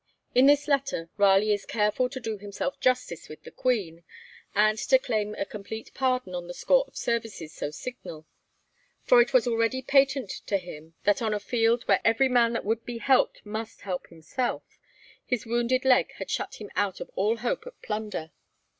In this letter Raleigh is careful to do himself justice with the Queen, and to claim a complete pardon on the score of services so signal, for it was already patent to him that on a field where every man that would be helped must help himself, his wounded leg had shut him out of all hope of plunder.